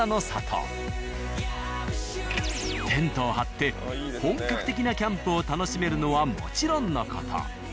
テントを張って本格的なキャンプを楽しめるのはもちろんの事